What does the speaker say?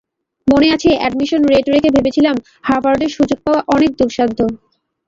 মনে আছে, admission rate দেখে ভেবেছিলাম হার্ভার্ডে সুযোগ পাওয়া অনেক দুঃসাধ্য।